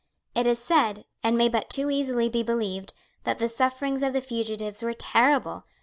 It is said, and may but too easily be believed, that the sufferings of the fugitives were terrible.